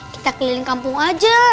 kita keliling kampung aja